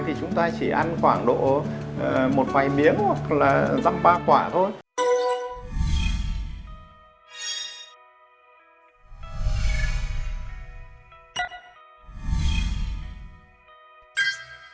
thì chúng ta chỉ ăn khoảng độ một vài miếng hoặc là răm ba quả thôi